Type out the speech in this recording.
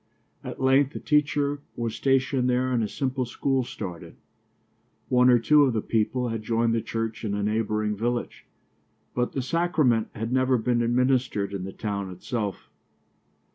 At length a teacher was stationed there and a simple school opened. One or two of the people had joined the church in a neighboring village, but the sacrament had never been administered in the town itself.